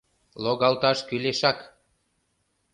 Логалташ кӱлешак.